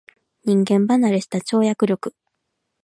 人間離れした跳躍力